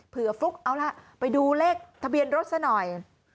ฟลุกเอาล่ะไปดูเลขทะเบียนรถซะหน่อย